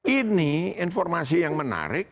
ini informasi yang menarik